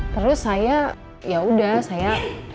terus saya ya udah saya